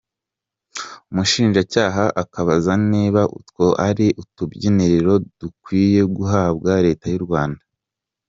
Umushinjacyaha akabaza niba utwo ari utubyiniriro dukwiye guhabwa Leta y’u Rwanda.